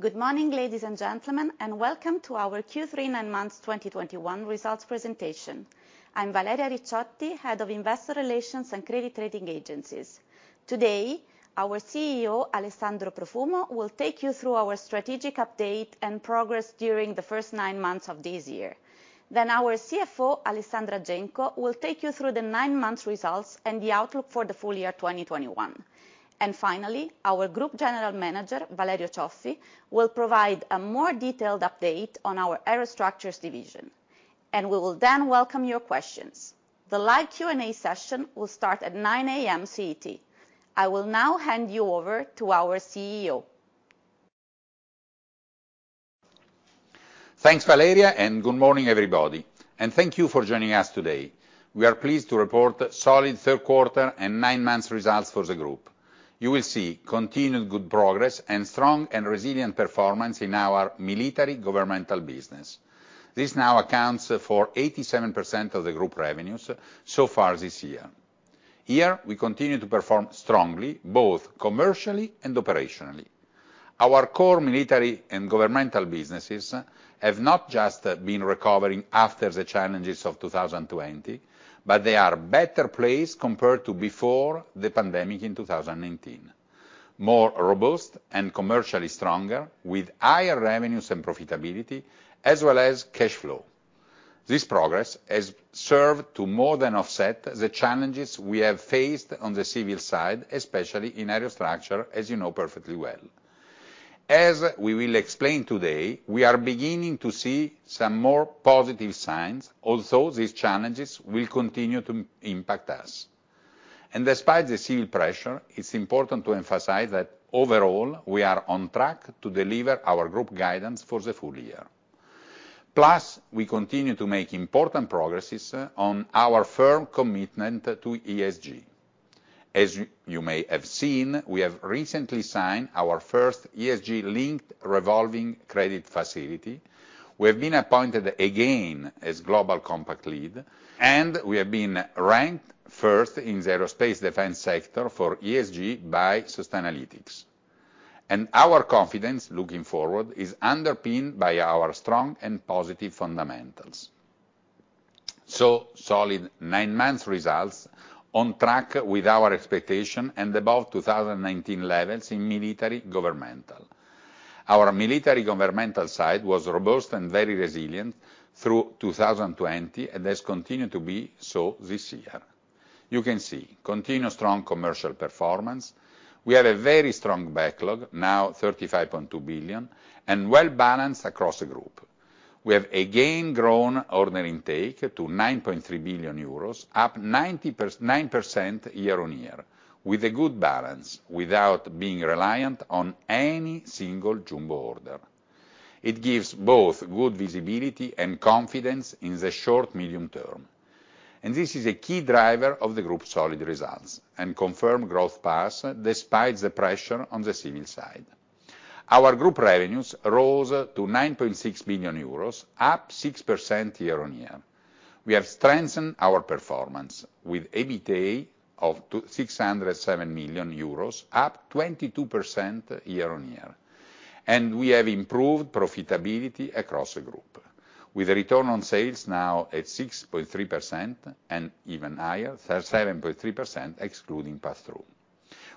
Good morning, ladies and gentlemen, and welcome to our Q3 nine months 2021 results presentation. I'm Valeria Ricciotti, Head of Investor Relations and Credit Rating Agencies. Today, our CEO, Alessandro Profumo, will take you through our strategic update and progress during the first nine months of this year. Our CFO, Alessandra Genco, will take you through the nine months results and the outlook for the full year 2021. Finally, our Group General Manager, Valerio Cioffi, will provide a more detailed update on our Aerostructures division, and we will then welcome your questions. The live Q&A session will start at 9:00 A.M. CET. I will now hand you over to our CEO. Thanks, Valeria, and good morning, everybody, and thank you for joining us today. We are pleased to report solid third quarter and nine-month results for the group. You will see continued good progress and strong and resilient performance in our military governmental business. This now accounts for 87% of the group revenues so far this year. Here, we continue to perform strongly, both commercially and operationally. Our core military and governmental businesses have not just been recovering after the challenges of 2020, but they are better placed compared to before the pandemic in 2019. More robust and commercially stronger, with higher revenues and profitability, as well as cash flow. This progress has served to more than offset the challenges we have faced on the civil side, especially in Aerostructures, as you know perfectly well. As we will explain today, we are beginning to see some more positive signs, although these challenges will continue to impact us. Despite the civil pressure, it's important to emphasize that overall, we are on track to deliver our group guidance for the full year. Plus, we continue to make important progresses on our firm commitment to ESG. As you may have seen, we have recently signed our first ESG-linked revolving credit facility. We have been appointed again as Global Compact LEAD, and we have been ranked first in the aerospace defense sector for ESG by Sustainalytics. Our confidence looking forward is underpinned by our strong and positive fundamentals. Solid nine-month results on track with our expectation and above 2019 levels in military governmental. Our military governmental side was robust and very resilient through 2020, and has continued to be so this year. You can see continued strong commercial performance. We have a very strong backlog, now 35.2 billion, and well-balanced across the group. We have again grown order intake to 9.3 billion euros, up 9% year-on-year, with a good balance without being reliant on any single jumbo order. It gives both good visibility and confidence in the short-medium term, and this is a key driver of the group's solid results and confirmed growth path, despite the pressure on the civil side. Our group revenues rose to 9.6 billion euros, up 6% year-on-year. We have strengthened our performance with EBITA of EUR 607 million, up 22% year-on-year. We have improved profitability across the group, with return on sales now at 6.3% and even higher, 7.3% excluding passthrough.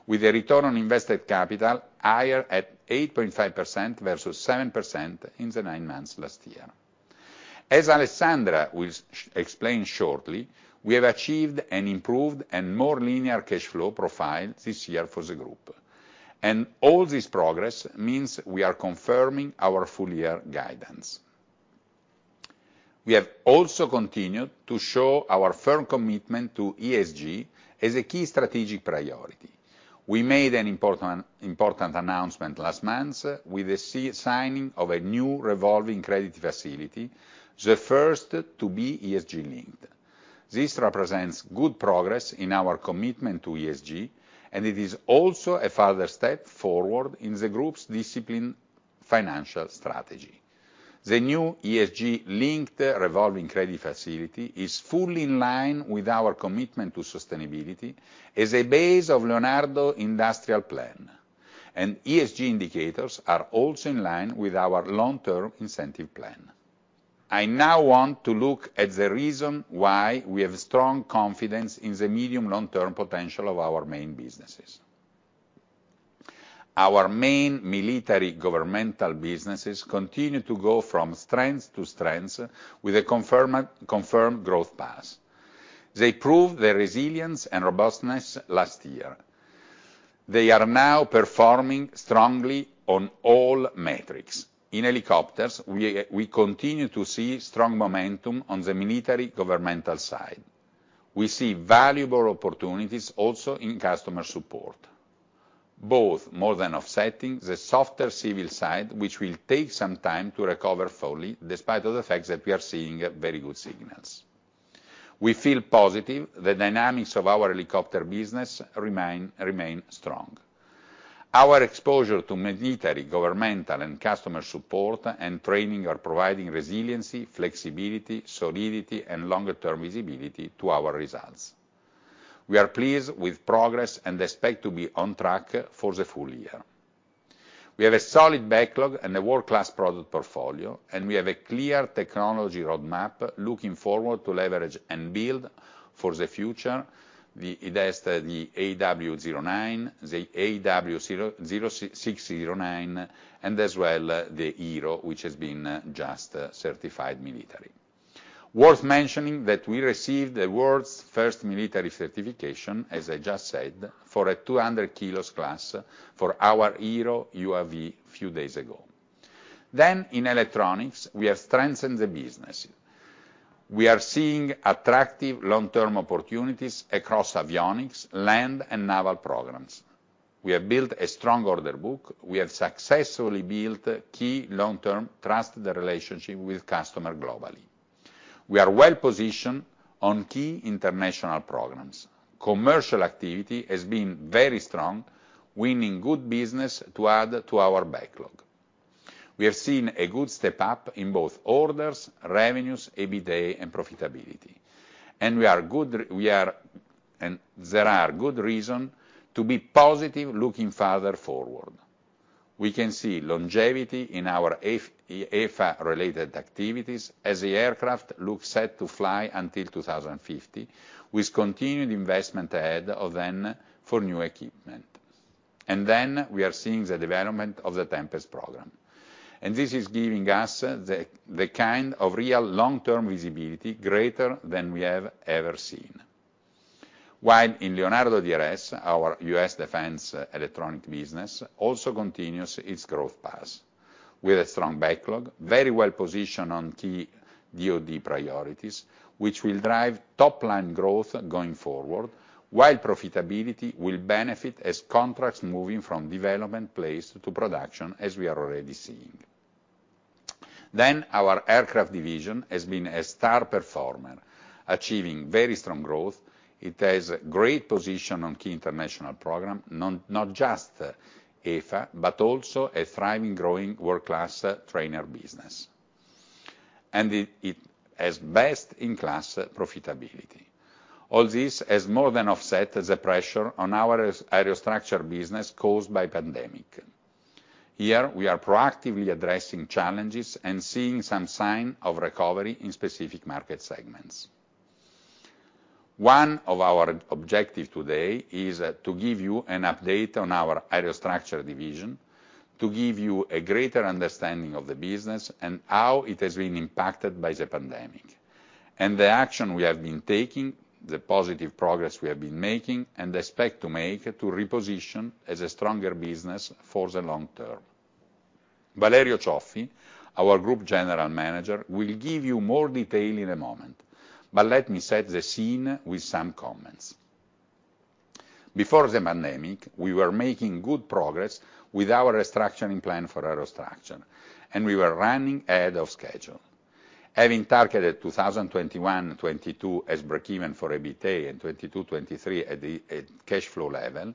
With a return on invested capital higher at 8.5% versus 7% in the nine months last year. As Alessandra will explain shortly, we have achieved an improved and more linear cash flow profile this year for the group. All this progress means we are confirming our full year guidance. We have also continued to show our firm commitment to ESG as a key strategic priority. We made an important announcement last month with the signing of a new revolving credit facility, the first to be ESG-linked. This represents good progress in our commitment to ESG, and it is also a further step forward in the group's disciplined financial strategy. The new ESG linked revolving credit facility is fully in line with our commitment to sustainability as a basis of Leonardo Industrial Plan. ESG indicators are also in line with our long-term incentive plan. I now want to look at the reason why we have strong confidence in the medium-long-term potential of our main businesses. Our main military governmental businesses continue to go from strength to strength with a confirmed growth path. They proved their resilience and robustness last year. They are now performing strongly on all metrics. In helicopters, we continue to see strong momentum on the military governmental side. We see valuable opportunities also in customer support, both more than offsetting the softer civil side, which will take some time to recover fully, despite the fact that we are seeing very good signals. We feel positive the dynamics of our helicopter business remain strong. Our exposure to military, governmental, and customer support and training are providing resiliency, flexibility, solidity, and longer term visibility to our results. We are pleased with progress, and expect to be on track for the full year. We have a solid backlog and a world-class product portfolio, and we have a clear technology roadmap looking forward to leverage and build for the future, it has the AW609, and as well, the AWHero, which has been just certified military. Worth mentioning that we received the world's first military certification, as I just said, for a 200 kilos class for our AWHero UAV a few days ago. In electronics, we have strengthened the business. We are seeing attractive long-term opportunities across avionics, land, and naval programs. We have built a strong order book. We have successfully built key long-term trusted relationship with customer globally. We are well-positioned on key international programs. Commercial activity has been very strong, winning good business to add to our backlog. We have seen a good step up in both orders, revenues, EBITDA, and profitability. There are good reason to be positive looking further forward. We can see longevity in our EFA-related activities as the aircraft looks set to fly until 2050, with continued investment ahead of then for new equipment. We are seeing the development of the Tempest program. This is giving us the kind of real long-term visibility greater than we have ever seen. While in Leonardo DRS, our U.S. defense electronics business, also continues its growth path. With a strong backlog, very well positioned on key DOD priorities, which will drive top line growth going forward, while profitability will benefit as contracts moving from development phase to production, as we are already seeing. Our aircraft division has been a star performer, achieving very strong growth. It has great position on key international program, not just EFA, but also a thriving, growing world-class trainer business. It has best-in-class profitability. All this has more than offset the pressure on our Aerostructures business caused by pandemic. Here, we are proactively addressing challenges and seeing some sign of recovery in specific market segments. One of our objective today is to give you an update on our Aerostructures division, to give you a greater understanding of the business and how it has been impacted by the pandemic, and the action we have been taking, the positive progress we have been making, and expect to make to reposition as a stronger business for the long term. Valerio Cioffi, our Group General Manager, will give you more detail in a moment, but let me set the scene with some comments. Before the pandemic, we were making good progress with our restructuring plan for Aerostructures, and we were running ahead of schedule, having targeted 2021 and 2022 as breakeven for EBITDA in 2022, 2023 at the cash flow level.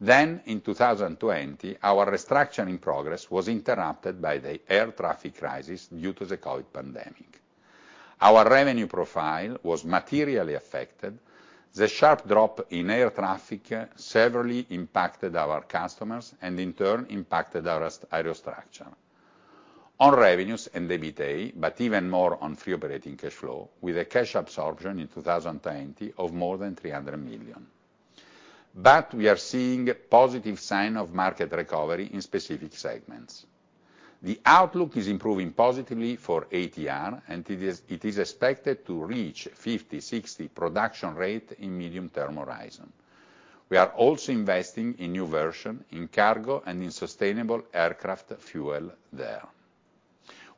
In 2020, our restructuring progress was interrupted by the air traffic crisis due to the COVID pandemic. Our revenue profile was materially affected. The sharp drop in air traffic severely impacted our customers, and in turn, impacted our Aerostructures on revenues and EBITDA, but even more on free operating cash flow, with a cash absorption in 2020 of more than 300 million. We are seeing positive sign of market recovery in specific segments. The outlook is improving positively for ATR, and it is expected to reach 50-60 production rate in medium-term horizon. We are also investing in new version, in cargo, and in sustainable aircraft fuel there.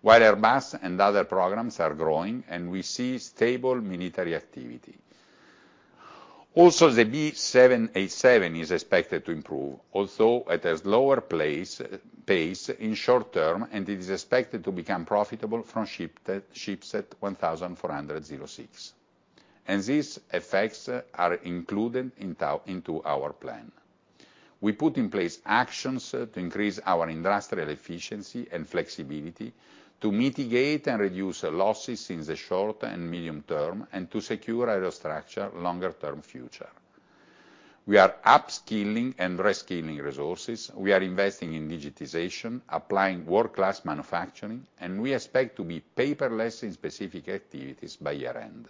While Airbus and other programs are growing, and we see stable military activity. The B787 is expected to improve, although it has lower pace in short-term, and it is expected to become profitable from shipset 1406. These effects are included into our plan. We put in place actions to increase our industrial efficiency and flexibility to mitigate and reduce losses in the short and medium term, and to secure Aerostructures longer-term future. We are upskilling and reskilling resources. We are investing in digitization, applying World Class Manufacturing, and we expect to be paperless in specific activities by year-end.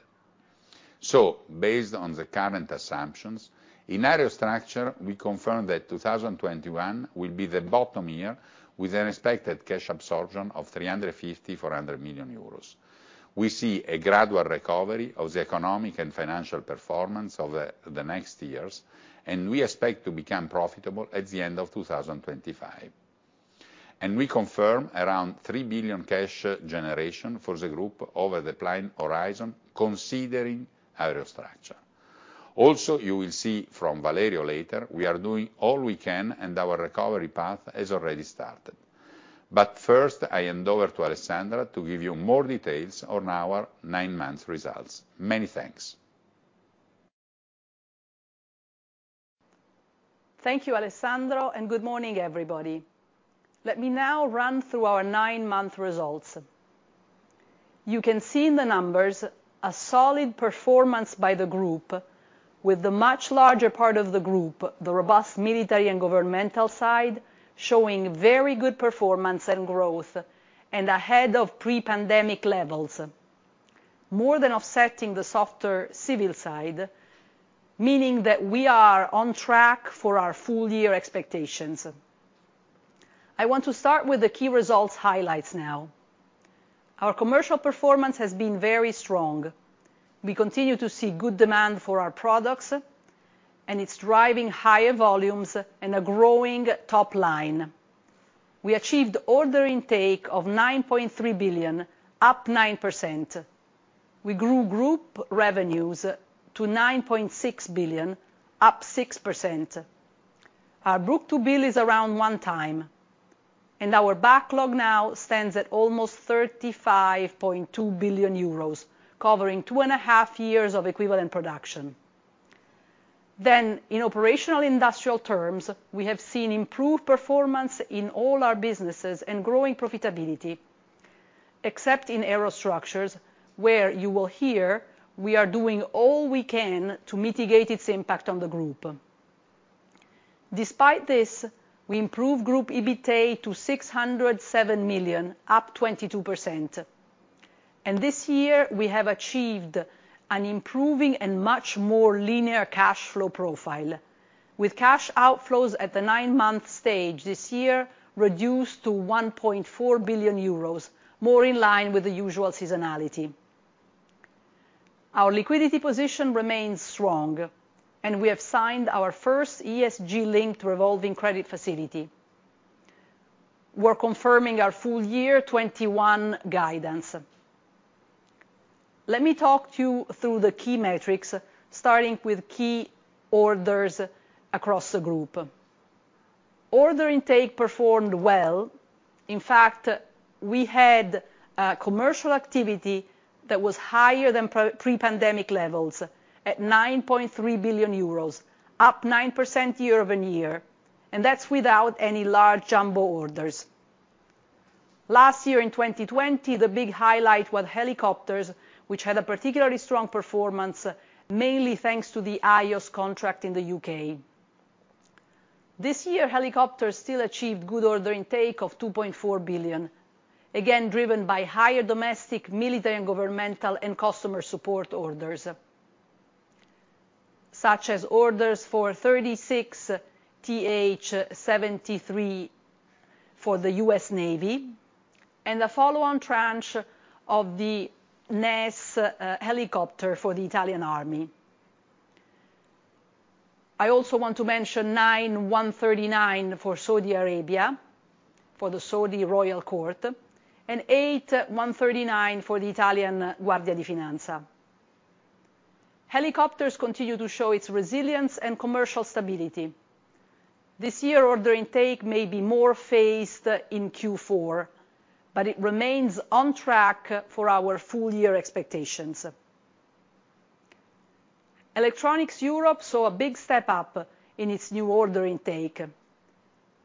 Based on the current assumptions, in Aerostructures, we confirm that 2021 will be the bottom year with an expected cash absorption of 350-400 million euros. We see a gradual recovery of the economic and financial performance over the next years, and we expect to become profitable at the end of 2025. We confirm around 3 billion cash generation for the group over the plan horizon, considering Aerostructures. Also, you will see from Valerio later, we are doing all we can, and our recovery path has already started. First, I hand over to Alessandra to give you more details on our nine-month results. Many thanks. Thank you, Alessandro, and good morning, everybody. Let me now run through our nine-month results. You can see in the numbers a solid performance by the group with the much larger part of the group, the robust military and governmental side, showing very good performance and growth, and ahead of pre-pandemic levels, more than offsetting the softer civil side, meaning that we are on track for our full-year expectations. I want to start with the key results highlights now. Our commercial performance has been very strong. We continue to see good demand for our products, and it's driving higher volumes and a growing top line. We achieved order intake of 9.3 billion, up 9%. We grew group revenues to 9.6 billion, up 6%. Our book-to-bill is around one time, and our backlog now stands at almost 35.2 billion euros, covering 2.5 years of equivalent production. In operational industrial terms, we have seen improved performance in all our businesses and growing profitability, except in Aerostructures, where you will hear we are doing all we can to mitigate its impact on the group. Despite this, we improved group EBITA to 607 million, up 22%. This year we have achieved an improving and much more linear cash flow profile, with cash outflows at the nine-month stage this year reduced to 1.4 billion euros, more in line with the usual seasonality. Our liquidity position remains strong, and we have signed our first ESG-linked revolving credit facility. We're confirming our full year 2021 guidance. Let me talk to you through the key metrics, starting with key orders across the group. Order intake performed well. In fact, we had commercial activity that was higher than pre-pandemic levels at 9.3 billion euros, up 9% year-over-year, and that's without any large jumbo orders. Last year in 2020, the big highlight was helicopters, which had a particularly strong performance, mainly thanks to the IOS contract in the U.K. This year, helicopters still achieved good order intake of 2.4 billion, again, driven by higher domestic military and governmental and customer support orders, such as orders for 36 TH-73 for the U.S. Navy and the follow-on tranche of the LUH helicopter for the Italian Army. I also want to mention nine AW139 for Saudi Arabia, for the Saudi Royal Court, and eight AW139 for the Italian Guardia di Finanza. Helicopters continue to show its resilience and commercial stability. This year, order intake may be more phased in Q4, but it remains on track for our full year expectations. Electronics Europe saw a big step up in its new order intake.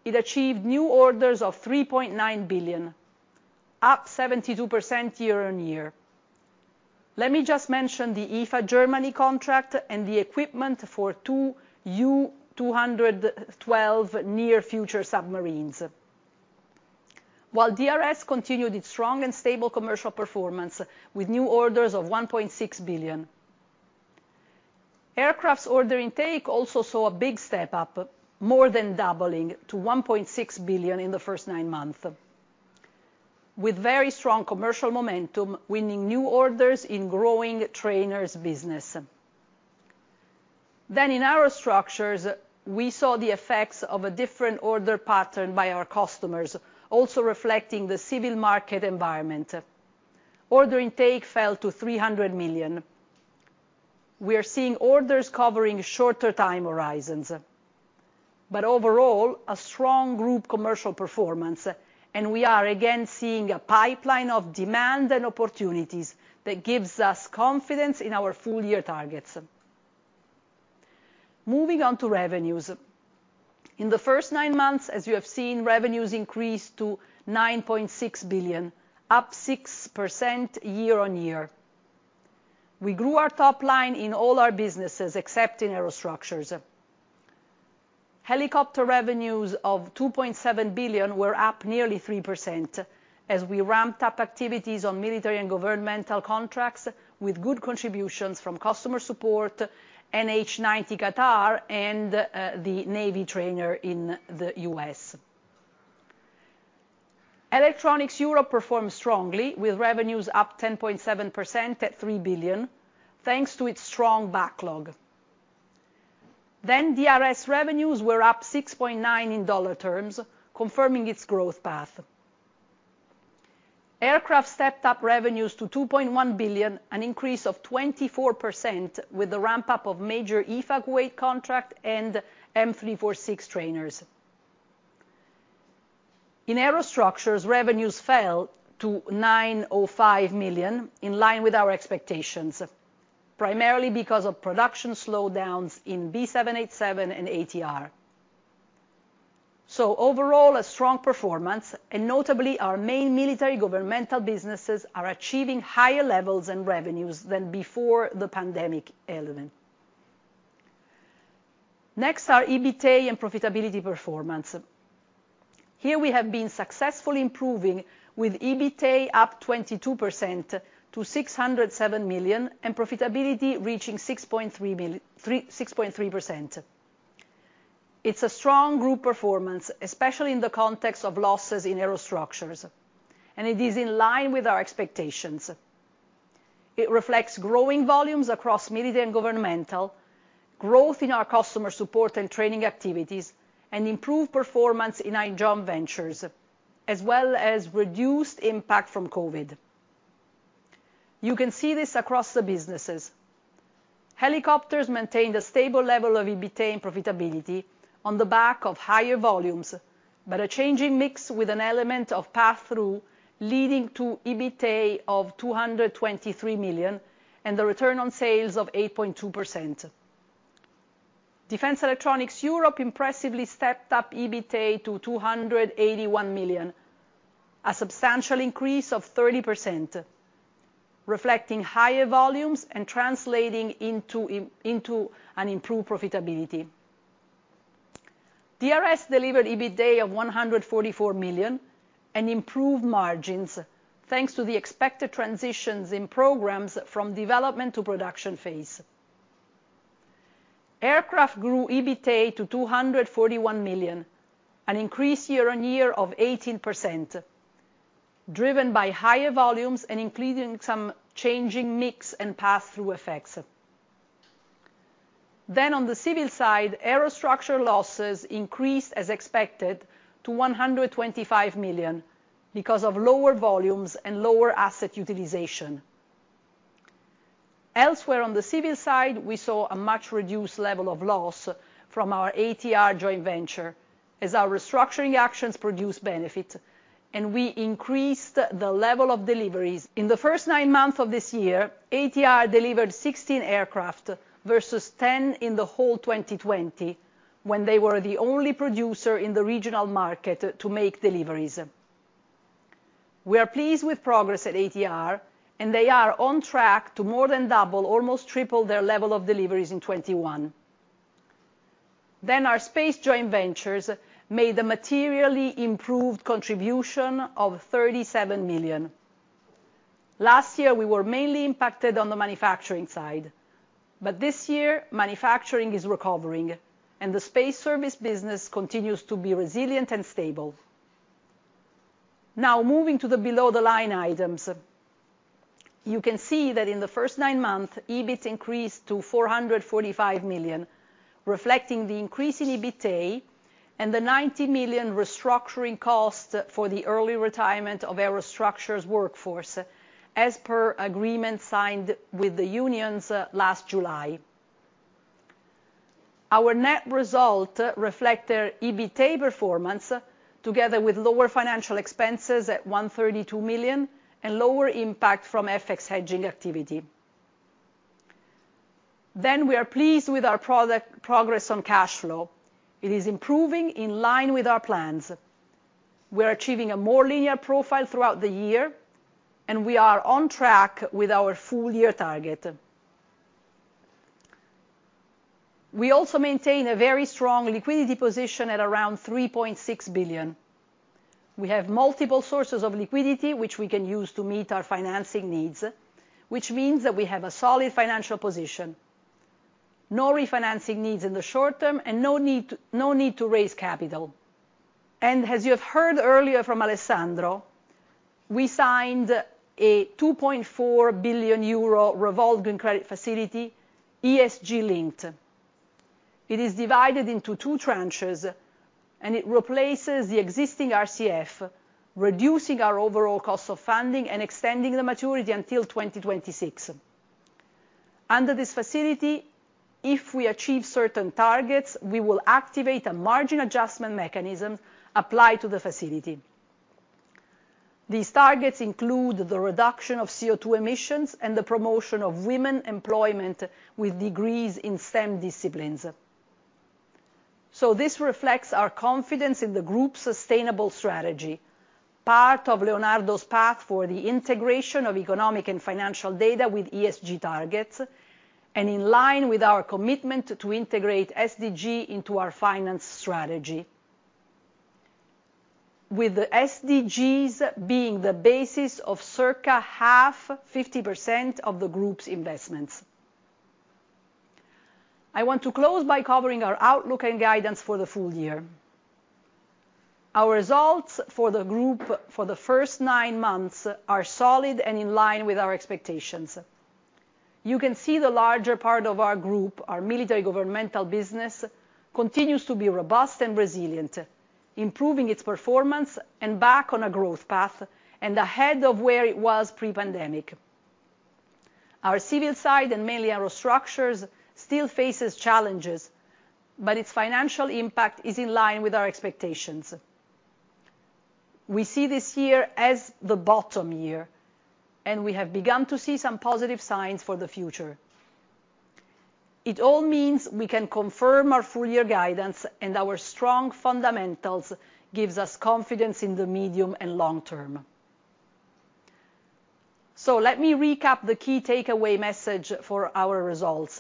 It achieved new orders of 3.9 billion, up 72% year-on-year. Let me just mention the EFA Germany contract and the equipment for two U212 near future submarines. While DRS continued its strong and stable commercial performance with new orders of 1.6 billion. Aircraft's order intake also saw a big step up, more than doubling to 1.6 billion in the first nine months, with very strong commercial momentum, winning new orders in growing trainers business. In Aerostructures, we saw the effects of a different order pattern by our customers, also reflecting the civil market environment. Order intake fell to 300 million. We are seeing orders covering shorter time horizons, but overall, a strong group commercial performance, and we are again seeing a pipeline of demand and opportunities that gives us confidence in our full year targets. Moving on to revenues. In the first nine months, as you have seen, revenues increased to 9.6 billion, up 6% year-on-year. We grew our top line in all our businesses, except in Aerostructures. Helicopter revenues of 2.7 billion were up nearly 3% as we ramped up activities on military and governmental contracts with good contributions from customer support, NH90 Qatar, and the Navy trainer in the US. Electronics Europe performed strongly with revenues up 10.7% at 3 billion, thanks to its strong backlog. DRS revenues were up 6.9% in dollar terms, confirming its growth path. Aircraft stepped up revenues to 2.1 billion, an increase of 24% with the ramp-up of major EFA Kuwait contract and M-346 trainers. In Aerostructures, revenues fell to 905 million, in line with our expectations, primarily because of production slowdowns in B787 and ATR. Overall, a strong performance, and notably, our main military governmental businesses are achieving higher levels and revenues than before the pandemic. Next, our EBITA and profitability performance. Here we have been successful improving with EBITA up 22% to 607 million, and profitability reaching 6.3%. It's a strong group performance, especially in the context of losses in Aerostructures, and it is in line with our expectations. It reflects growing volumes across military and governmental, growth in our customer support and training activities, and improved performance in our joint ventures, as well as reduced impact from COVID. You can see this across the businesses. Helicopters maintained a stable level of EBITA and profitability on the back of higher volumes, but a changing mix with an element of passthrough leading to EBITA of 223 million and the return on sales of 8.2%. Defence Electronics Europe impressively stepped up EBITA to 281 million, a substantial increase of 30%, reflecting higher volumes and translating into an improved profitability. DRS delivered EBITA of 144 million and improved margins thanks to the expected transitions in programs from development to production phase. Aerostructures grew EBITA to 241 million, an increase year-on-year of 18%, driven by higher volumes and including some changing mix and passthrough effects. On the civil side, Aerostructures losses increased as expected to 125 million because of lower volumes and lower asset utilization. Elsewhere on the civil side, we saw a much reduced level of loss from our ATR joint venture as our restructuring actions produced benefit and we increased the level of deliveries. In the first nine months of this year, ATR delivered 16 aircraft versus 10 in the whole 2020 when they were the only producer in the regional market to make deliveries. We are pleased with progress at ATR, and they are on track to more than double, almost triple, their level of deliveries in 2021. Our space joint ventures made a materially improved contribution of 37 million. Last year, we were mainly impacted on the manufacturing side, but this year, manufacturing is recovering and the space service business continues to be resilient and stable. Now, moving to the below the line items, you can see that in the first nine months, EBIT increased to 445 million, reflecting the increase in EBITA and the 90 million restructuring cost for the early retirement of Aerostructures workforce, as per agreement signed with the unions last July. Our net result reflect their EBITA performance together with lower financial expenses at 132 million and lower impact from FX hedging activity. We are pleased with our progress on cash flow. It is improving in line with our plans. We're achieving a more linear profile throughout the year, and we are on track with our full year target. We also maintain a very strong liquidity position at around 3.6 billion. We have multiple sources of liquidity which we can use to meet our financing needs, which means that we have a solid financial position, no refinancing needs in the short term, and no need to raise capital. As you have heard earlier from Alessandro, we signed a 2.4 billion euro revolving credit facility, ESG-linked. It is divided into two tranches, and it replaces the existing RCF, reducing our overall cost of funding and extending the maturity until 2026. Under this facility, if we achieve certain targets, we will activate a margin adjustment mechanism applied to the facility. These targets include the reduction of CO2 emissions and the promotion of women employment with degrees in STEM disciplines. This reflects our confidence in the group's sustainable strategy, part of Leonardo's path for the integration of economic and financial data with ESG targets, and in line with our commitment to integrate SDG into our finance strategy, with the SDGs being the basis of circa half, 50% of the group's investments. I want to close by covering our outlook and guidance for the full year. Our results for the group for the first nine months are solid and in line with our expectations. You can see the larger part of our group, our military governmental business, continues to be robust and resilient, improving its performance and back on a growth path and ahead of where it was pre-pandemic. Our Civil side, and mainly Aerostructures, still faces challenges, but its financial impact is in line with our expectations. We see this year as the bottom year, and we have begun to see some positive signs for the future. It all means we can confirm our full-year guidance, and our strong fundamentals gives us confidence in the medium and long term. Let me recap the key takeaway message for our results.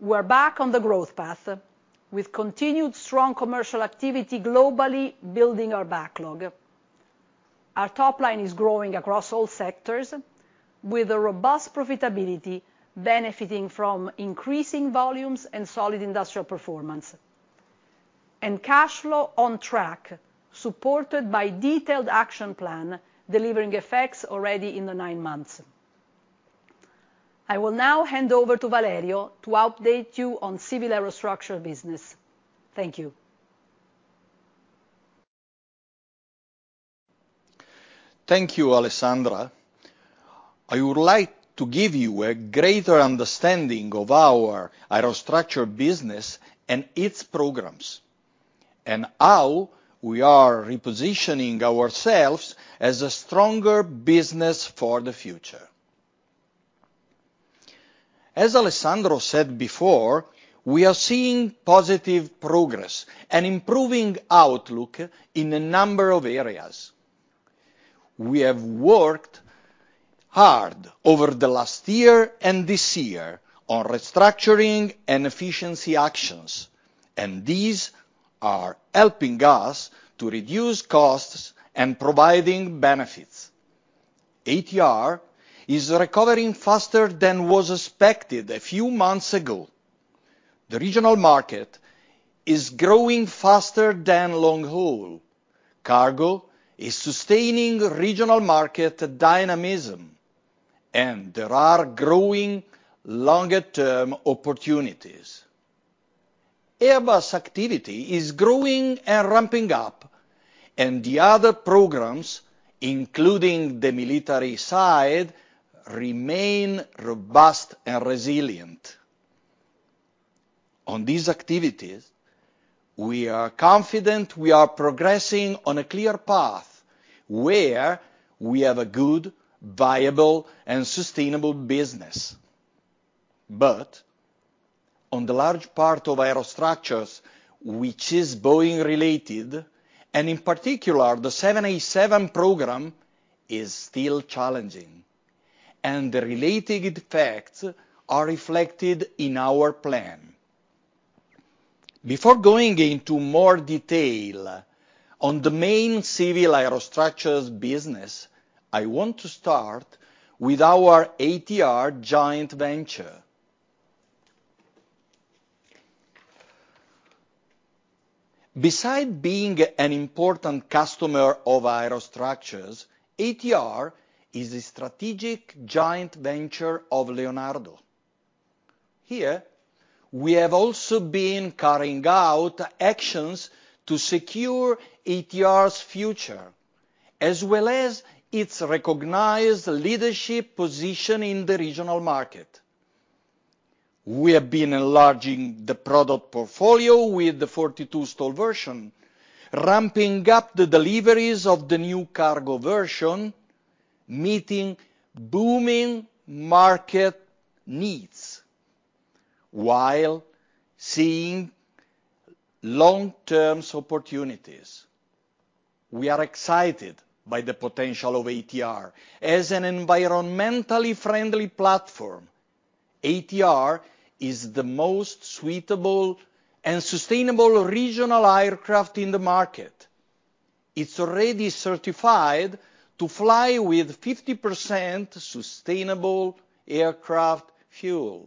We're back on the growth path, with continued strong commercial activity globally building our backlog. Our top line is growing across all sectors, with a robust profitability benefiting from increasing volumes and solid industrial performance. Cash flow on track, supported by detailed action plan, delivering effects already in the nine months. I will now hand over to Valerio to update you on Civil Aerostructures business. Thank you. Thank you, Alessandra. I would like to give you a greater understanding of our Aerostructures business and its programs, and how we are repositioning ourselves as a stronger business for the future. As Alessandro said before, we are seeing positive progress and improving outlook in a number of areas. We have worked hard over the last year and this year on restructuring and efficiency actions, and these are helping us to reduce costs and providing benefits. ATR is recovering faster than was expected a few months ago. The regional market is growing faster than long-haul. Cargo is sustaining regional market dynamism, and there are growing longer-term opportunities. Airbus activity is growing and ramping up, and the other programs, including the military side, remain robust and resilient. On these activities, we are confident we are progressing on a clear path where we have a good, viable, and sustainable business. On the large part of Aerostructures, which is Boeing-related, and in particular, the 787 program, is still challenging, and the related effects are reflected in our plan. Before going into more detail on the main Civil Aerostructures business, I want to start with our ATR joint venture. Besides being an important customer of Aerostructures, ATR is a strategic joint venture of Leonardo. Here, we have also been carrying out actions to secure ATR's future, as well as its recognized leadership position in the regional market. We have been enlarging the product portfolio with the 42 STOL version, ramping up the deliveries of the new cargo version, meeting booming market needs while seeing long-term opportunities. We are excited by the potential of ATR. As an environmentally friendly platform, ATR is the most suitable and sustainable regional aircraft in the market. It's already certified to fly with 50% sustainable aviation fuel.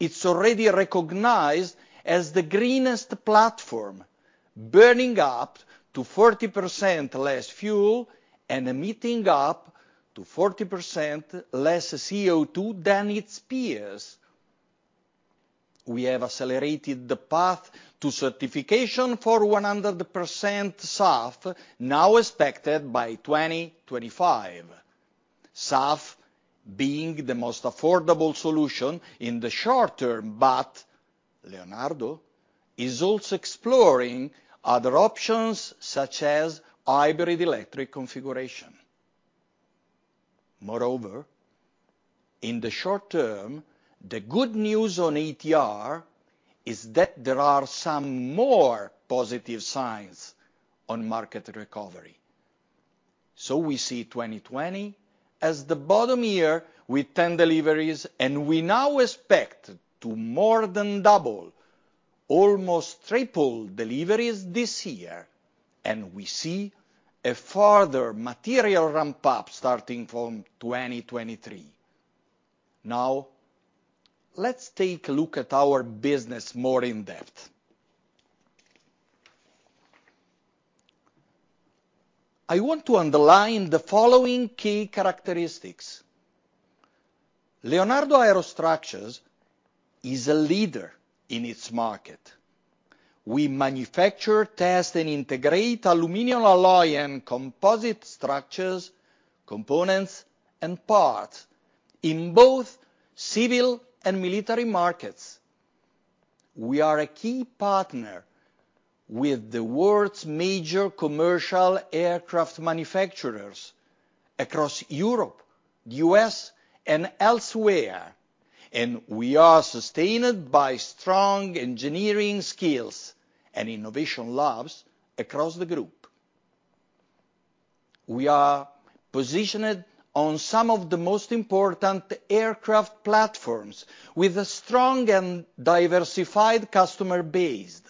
It's already recognized as the greenest platform, burning up to 40% less fuel and emitting up to 40% less CO2 than its peers. We have accelerated the path to certification for 100% SAF, now expected by 2025. SAF being the most affordable solution in the short term, but Leonardo is also exploring other options such as hybrid-electric configuration. Moreover, in the short term, the good news on ATR is that there are some more positive signs on market recovery. We see 2020 as the bottom year with 10 deliveries, and we now expect to more than double, almost triple deliveries this year, and we see a further material ramp-up starting from 2023. Now, let's take a look at our business more in depth. I want to underline the following key characteristics. Leonardo Aerostructures is a leader in its market. We manufacture, test, and integrate aluminum alloy and composite structures, components, and parts in both civil and military markets. We are a key partner with the world's major commercial aircraft manufacturers across Europe, U.S., and elsewhere, and we are sustained by strong engineering skills and innovation labs across the group. We are positioned on some of the most important aircraft platforms with a strong and diversified customer base,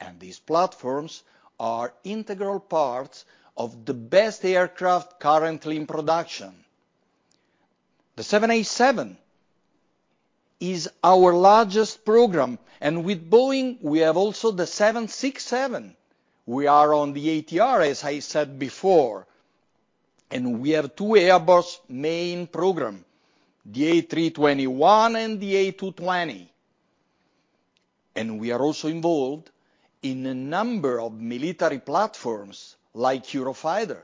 and these platforms are integral parts of the best aircraft currently in production. The 787 is our largest program, and with Boeing, we have also the 767. We are on the ATR, as I said before, and we have two Airbus main program, the A321 and the A220. We are also involved in a number of military platforms like Eurofighter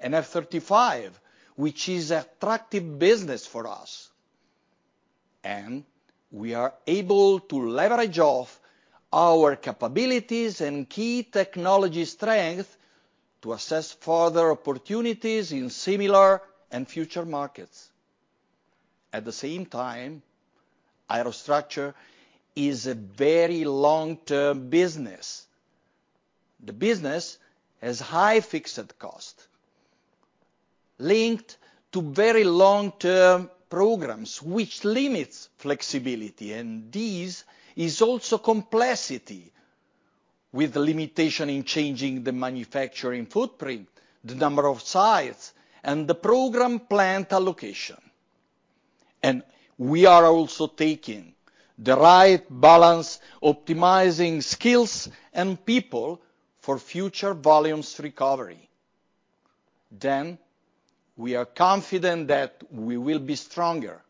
and F-35, which is attractive business for us. We are able to leverage off our capabilities and key technology strength to assess further opportunities in similar and future markets. At the same time, Aerostructures is a very long-term business. The business has high fixed cost linked to very long-term programs which limits flexibility, and this is also complexity with limitation in changing the manufacturing footprint, the number of sites, and the program plant allocation. We are also taking the right balance, optimizing skills and people for future volumes recovery. We are confident that we will be stronger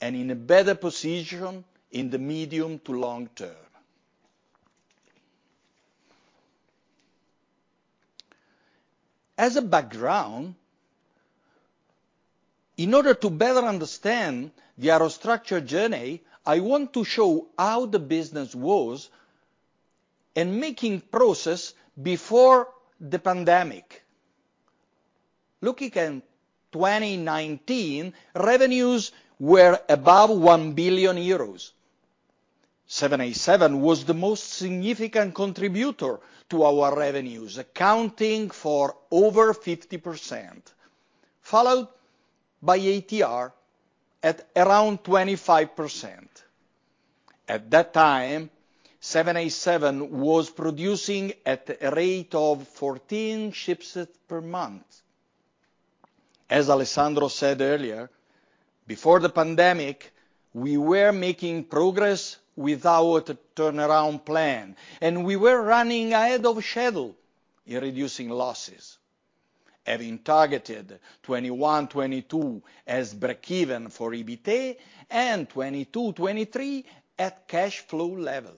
and in a better position in the medium to long term. As a background, in order to better understand the Aerostructures journey, I want to show how the business was in the making process before the pandemic. Looking at 2019, revenues were above 1 billion euros. 787 was the most significant contributor to our revenues, accounting for over 50%, followed by ATR at around 25%. At that time, 787 was producing at a rate of 14 ships per month. As Alessandro said earlier, before the pandemic, we were making progress without a turnaround plan, and we were running ahead of schedule in reducing losses, having targeted 2021, 2022 as breakeven for EBT and 2022, 2023 at cash flow level.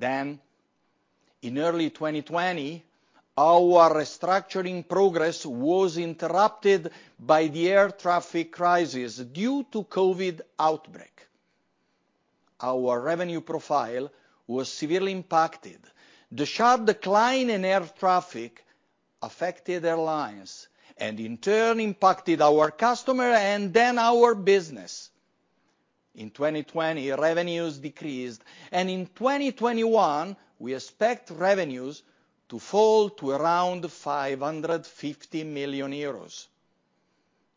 In early 2020, our restructuring progress was interrupted by the air traffic crisis due to COVID outbreak. Our revenue profile was severely impacted. The sharp decline in air traffic affected airlines, and in turn impacted our customer and then our business. In 2020, revenues decreased, and in 2021, we expect revenues to fall to around 550 million euros.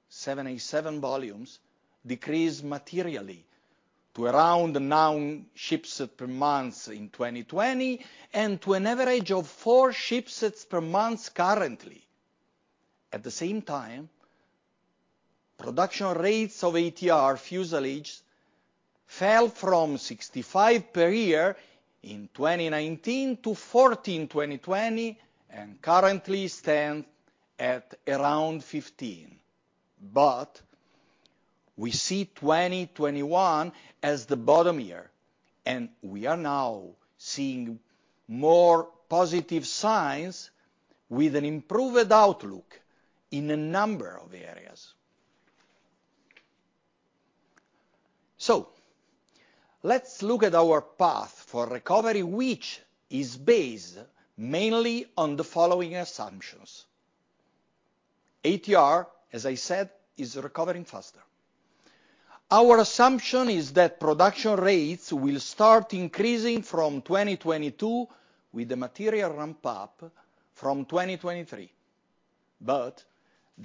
787 volumes decreased materially to around nine ships per month in 2020 and to an average of four ships per month currently. At the same time, production rates of ATR fuselages fell from 65 per year in 2019 to 14 in 2020 and currently stand at around 15. We see 2021 as the bottom year, and we are now seeing more positive signs with an improved outlook in a number of areas. Let's look at our path for recovery, which is based mainly on the following assumptions. ATR, as I said, is recovering faster. Our assumption is that production rates will start increasing from 2022 with the material ramp up from 2023. The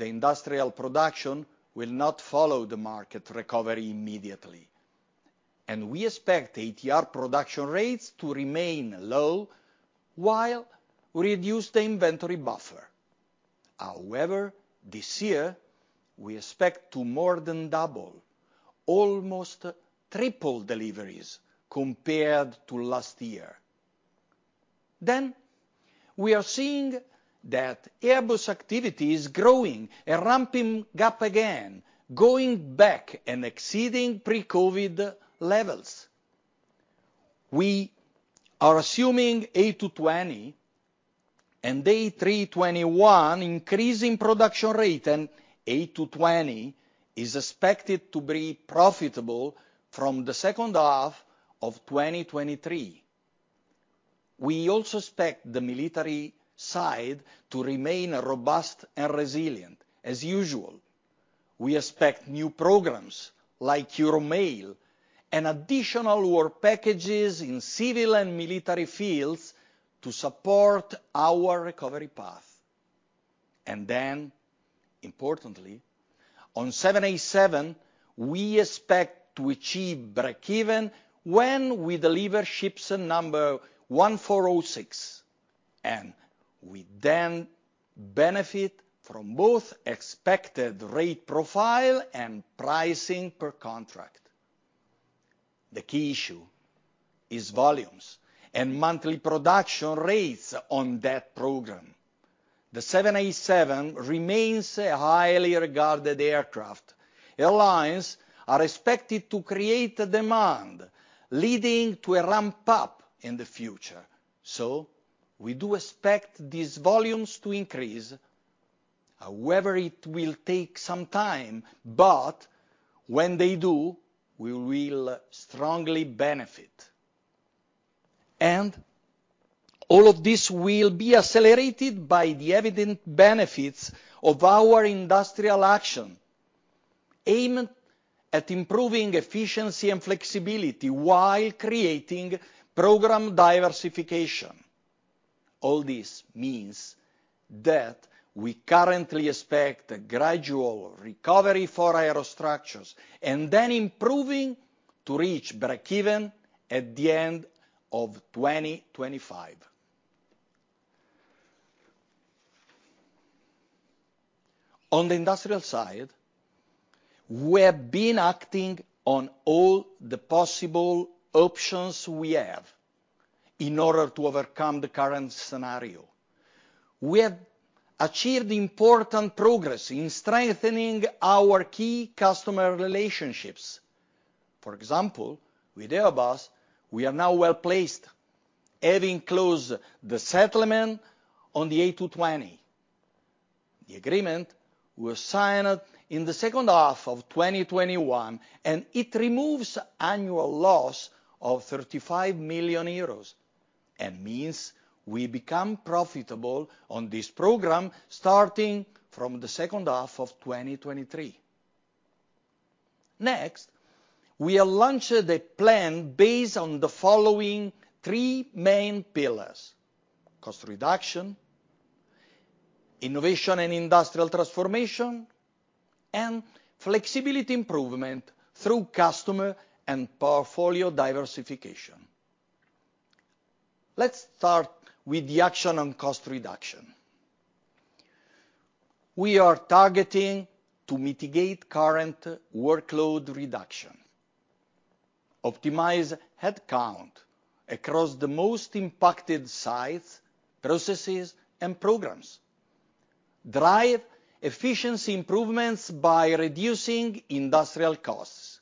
industrial production will not follow the market recovery immediately, and we expect ATR production rates to remain low while we reduce the inventory buffer. However, this year, we expect to more than double, almost triple deliveries compared to last year. We are seeing that Airbus activity is growing and ramping up again, going back and exceeding pre-COVID levels. We are assuming A220 and A321 increasing production rate, and A220 is expected to be profitable from the second half of 2023. We also expect the military side to remain robust and resilient as usual. We expect new programs like EuroMALE and additional work packages in civil and military fields to support our recovery path. Importantly, on 787, we expect to achieve breakeven when we deliver shipset number 1406, and we then benefit from both expected rate profile and pricing per contract. The key issue is volumes and monthly production rates on that program. The 787 remains a highly regarded aircraft. Airlines are expected to create demand, leading to a ramp up in the future. We do expect these volumes to increase. However, it will take some time, but when they do, we will strongly benefit. All of this will be accelerated by the evident benefits of our industrial action, aimed at improving efficiency and flexibility while creating program diversification. All this means that we currently expect a gradual recovery for Aerostructures, and then improving to reach breakeven at the end of 2025. On the industrial side, we have been acting on all the possible options we have in order to overcome the current scenario. We have achieved important progress in strengthening our key customer relationships. For example, with Airbus, we are now well-placed, having closed the settlement on the A220. The agreement was signed in the second half of 2021, and it removes annual loss of 35 million euros, and means we become profitable on this program starting from the second half of 2023. Next, we have launched a plan based on the following three main pillars: cost reduction, innovation and industrial transformation, and flexibility improvement through customer and portfolio diversification. Let's start with the action on cost reduction. We are targeting to mitigate current workload reduction, optimize headcount across the most impacted sites, processes, and programs, drive efficiency improvements by reducing industrial costs.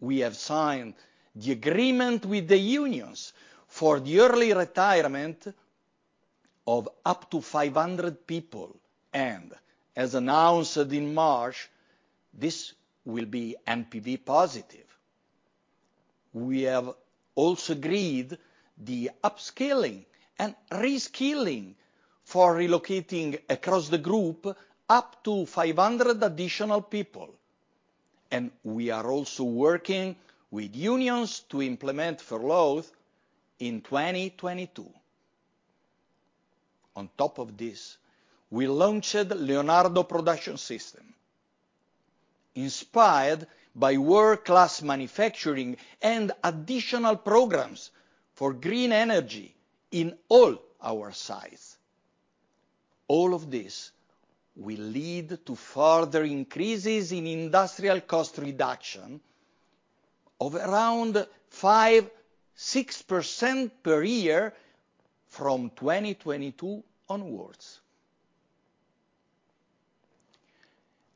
We have signed the agreement with the unions for the early retirement of up to 500 people, and as announced in March, this will be NPV positive. We have also agreed the upskilling and reskilling for relocating across the group up to 500 additional people, and we are also working with unions to implement furloughs in 2022. On top of this, we launched Leonardo Production System, inspired by World Class Manufacturing and additional programs for green energy in all our sites. All of this will lead to further increases in industrial cost reduction of around 5%-6% per year from 2022 onwards.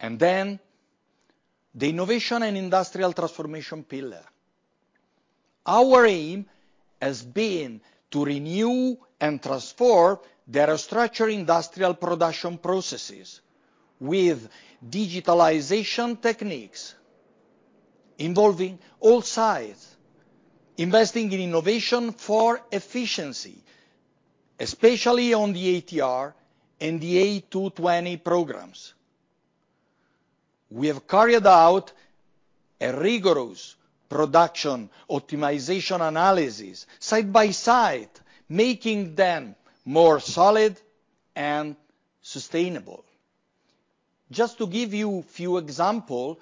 The innovation and industrial transformation pillar. Our aim has been to renew and transform the Aerostructures industrial production processes with digitalization techniques involving all sites, investing in innovation for efficiency, especially on the ATR and the A220 programs. We have carried out a rigorous production optimization analysis, side by side, making them more solid and sustainable. Just to give you a few examples,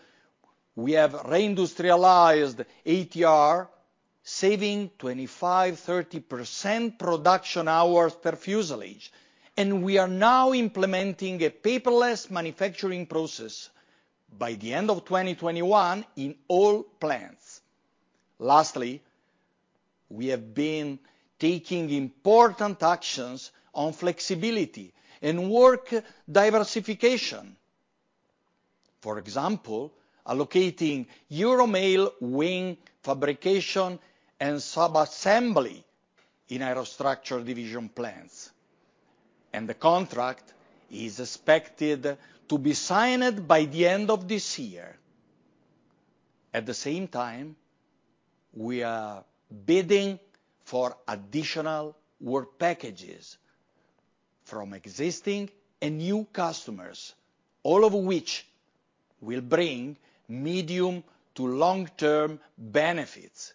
we have re-industrialized ATR, saving 25%-30% production hours per fuselage, and we are now implementing a paperless manufacturing process. By the end of 2021, in all plants. Lastly, we have been taking important actions on flexibility and work diversification. For example, allocating EuroMALE wing fabrication and sub-assembly in Aerostructures division plants, and the contract is expected to be signed by the end of this year. At the same time, we are bidding for additional work packages from existing and new customers, all of which will bring medium- to long-term benefits.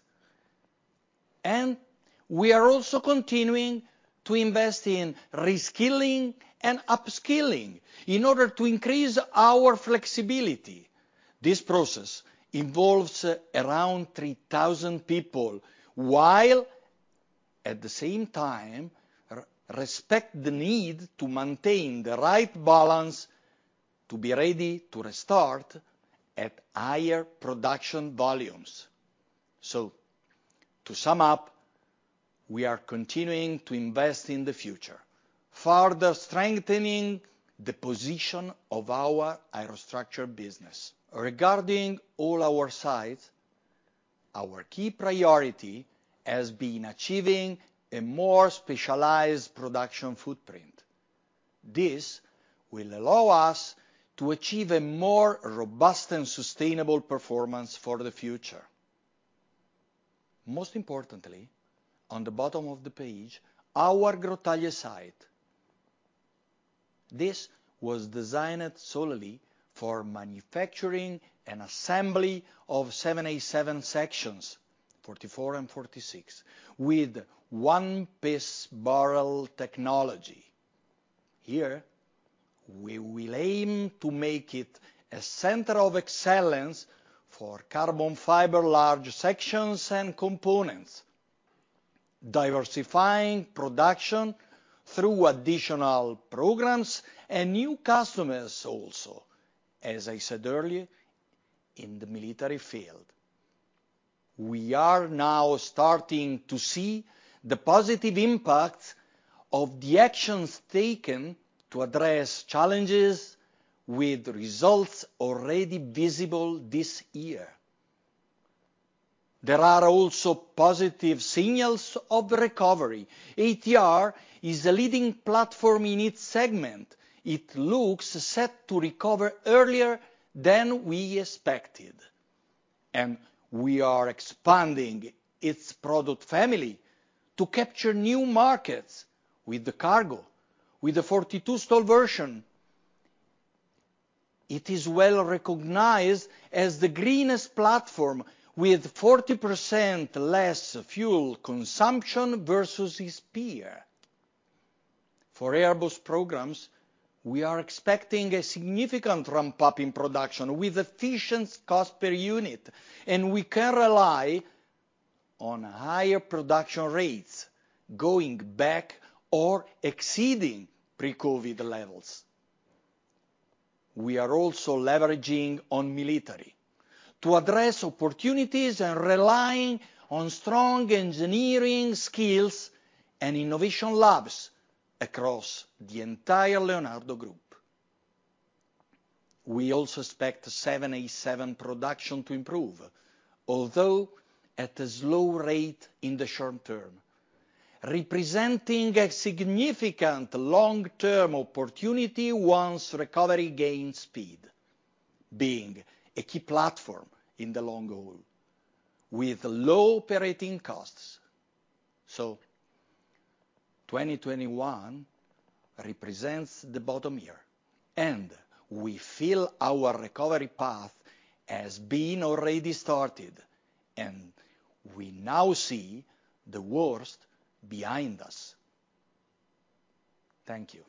We are also continuing to invest in reskilling and upskilling in order to increase our flexibility. This process involves around 3,000 people, while at the same time, respect the need to maintain the right balance to be ready to restart at higher production volumes. To sum up, we are continuing to invest in the future, further strengthening the position of our Aerostructures business. Regarding all our sites, our key priority has been achieving a more specialized production footprint. This will allow us to achieve a more robust and sustainable performance for the future. Most importantly, on the bottom of the page, our Grottaglie site was designed solely for manufacturing and assembly of 787 sections 44 and 46, with one-piece barrel technology. Here, we will aim to make it a center of excellence for carbon fiber large sections and components, diversifying production through additional programs and new customers also, as I said earlier, in the military field. We are now starting to see the positive impact of the actions taken to address challenges with results already visible this year. There are also positive signals of recovery. ATR is a leading platform in its segment. It looks set to recover earlier than we expected, and we are expanding its product family to capture new markets with the cargo, with the 42-STOL version. It is well-recognized as the greenest platform with 40% less fuel consumption versus its peer. For Airbus programs, we are expecting a significant ramp-up in production with efficient cost per unit, and we can rely on higher production rates going back or exceeding pre-COVID levels. We are also leveraging on military to address opportunities and relying on strong engineering skills and innovation labs across the entire Leonardo Group. We also expect 787 production to improve, although at a slow rate in the short-term, representing a significant long-term opportunity once recovery gains speed, being a key platform in the long run, with low operating costs. 2021 represents the bottom year, and we feel our recovery path has been already started, and we now see the worst behind us. Thank you.